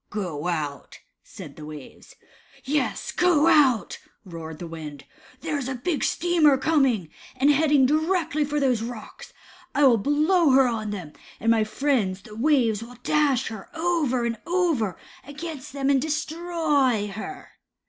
"Go out," said the waves. Yes, go out," roared the wind. "There is a big steamer coming, and heading directly for these rocks. I will blow her on them, and my friends, the waves, will dash her over and over against them, and destroy her."